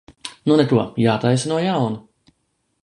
Nu neko, jātaisa no jauna.